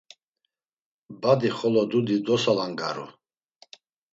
Badi xolo dudi dosalangaru.